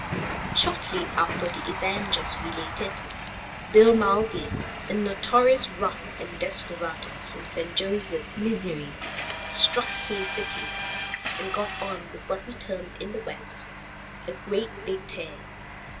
Shortly after the event just related, Bill Mulvey, a notorious rough and desperado from St. Joseph, Mo., struck Hays City, and got on what we term in the West, "a great big tear."